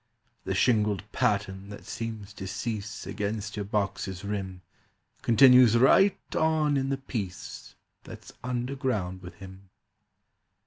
"The shingled pattern that seems to cease Against your box's rim Continues right on in the piece That's underground with him.